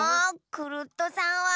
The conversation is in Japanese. クルットさんは！